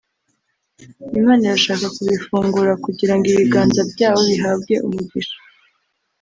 Imana irashaka kubifungura kugira ngo ibiganza byabo bihabwe umugisha